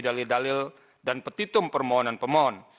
dalil dalil dan petitum permohonan pemohon